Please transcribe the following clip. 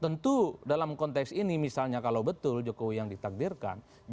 tentu dalam konteks ini misalnya kalau betul jokowi yang ditakdirkan